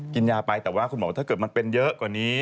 กินยาไปแต่ว่าคุณหมอถ้าเกิดมันเป็นเยอะกว่านี้